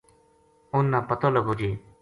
ان نا پتو لگوے